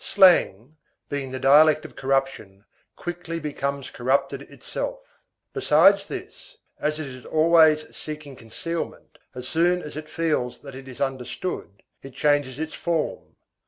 Slang, being the dialect of corruption, quickly becomes corrupted itself. Besides this, as it is always seeking concealment, as soon as it feels that it is understood, it changes its form.